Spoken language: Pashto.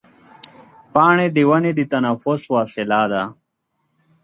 پاڼې د ونې د تنفس وسیله ده.